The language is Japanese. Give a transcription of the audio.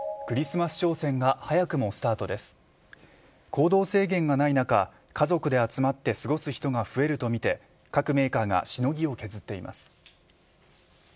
行動制限がない中家族で集まって過ごす人が増えるとみて各メーカーがしのぎを削っています。